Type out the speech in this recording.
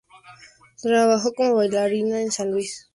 Trabajó como bailarina en San Luis, antes de mudarse a Los Ángeles.